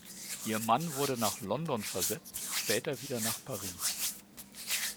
Ihr Mann wurde nach London versetzt, später wieder nach Paris.